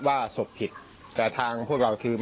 อยู่ดีถึงล้มไปเล่นครับ